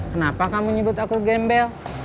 kenapa kamu nyebut aku gembel